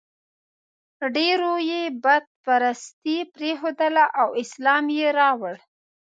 ډېرو یې بت پرستي پرېښودله او اسلام یې راوړ.